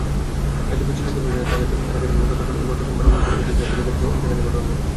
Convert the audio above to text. Gazipur city করপোরেশনের তারগাছ এলাকায় গতকাল সোমবার অটোরিকশা তৈরির গ্যারেজে অগ্নিকাণ্ডের ঘটনা ঘটেছে।